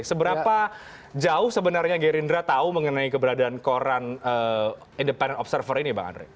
seberapa jauh sebenarnya gerindra tahu mengenai keberadaan koran independent observer ini bang andre